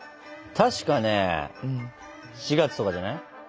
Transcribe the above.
たしかね４月とかじゃない？